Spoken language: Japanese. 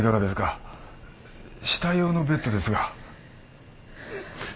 死体用のベッドですが。